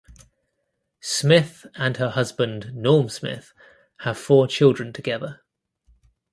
Smith and her husband Norm Smith have four children together.